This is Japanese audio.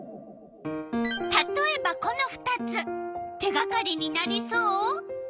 たとえばこの２つ手がかりになりそう？